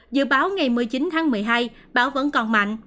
dự báo ngày một mươi chín tháng một mươi hai bão vẫn còn mạnh